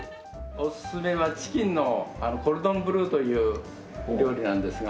おすすめはチキンのコルドンブルーというお料理なんですが。